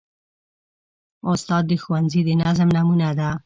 استاد د ښوونځي د نظم نمونه ده.